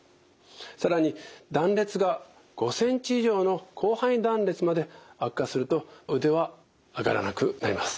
更に断裂が５ｃｍ以上の広範囲断裂まで悪化すると腕は上がらなくなります。